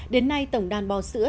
đến nay tổng đàn bò sữa